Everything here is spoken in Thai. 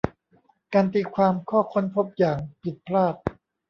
การตีความข้อค้นพบอย่างผิดพลาด